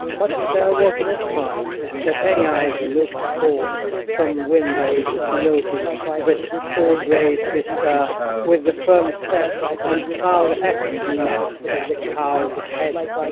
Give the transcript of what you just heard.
But there was no sign that any eyes looked forth from windows to notice this tall grey sister, with the firm step, and proud attitude of the cowled head.